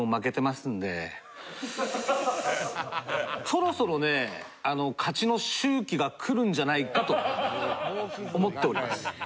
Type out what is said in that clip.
そろそろね勝ちの周期が来るんじゃないかと思っております。